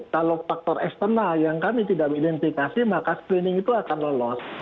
kalau faktor eksternal yang kami tidak mengidentifikasi maka screening itu akan lolos